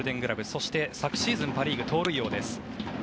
そして昨シーズンパ・リーグ盗塁王です。